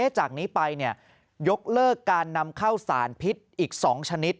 จากนี้ไปยกเลิกการนำเข้าสารพิษอีก๒ชนิด